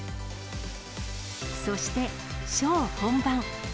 そして、ショー本番。